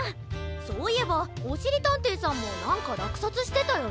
そういえばおしりたんていさんもなんからくさつしてたよな。